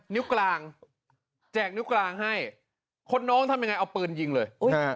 นิ้วกลางแจกนิ้วกลางให้คนน้องทำยังไงเอาปืนยิงเลย